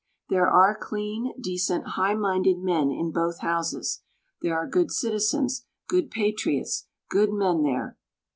There are clean, decent, high minded men in both houses. There are good citizens, good patriots, good men there.